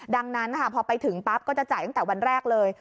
ดังนั้นพอไปถึงปั๊บก็จะจ่ายตั้งแต่วันแรกเลย